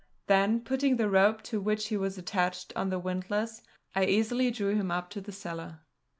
Then, putting the rope to which he was attached on the windlass, I easily drew him up to the cellar.